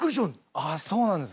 あっそうなんですか。